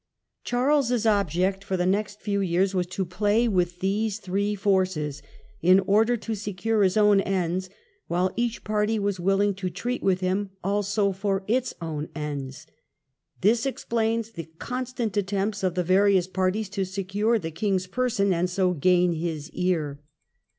Charles's object for the next few years was to play with these three forces in order to secure his own ends, while each party wjs willing to treat with him, also for its own ends. This explains the constant attempts of the various parties to secure the king's person and so gain his ear.